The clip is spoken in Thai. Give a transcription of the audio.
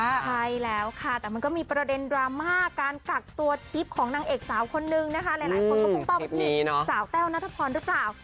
ใช่แล้วค่ะแต่มันก็มีประเด็นดราม่าการกักตัวทิพย์ของนางเอกสาวคนนึงนะคะหลายคนก็พุ่งเป้าไปที่สาวแต้วนัทพรหรือเปล่า